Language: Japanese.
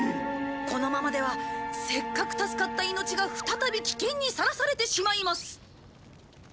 このままではせっかく助かった命が再び危険にさらされてしまいます。